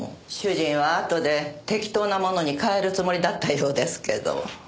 主人はあとで適当なものに替えるつもりだったようですけど。